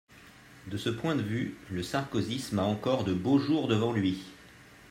De ce point de vue, le sarkozysme a encore de beaux jours devant lui.